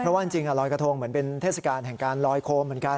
เพราะว่าจริงลอยกระทงเหมือนเป็นเทศกาลแห่งการลอยโคมเหมือนกัน